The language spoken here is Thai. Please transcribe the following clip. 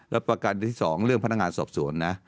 แล้วประการที่๒เรื่องพนักงานสอบสวนนะ